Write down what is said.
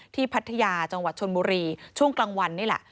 พัทยาจังหวัดชนบุรีช่วงกลางวันนี่แหละ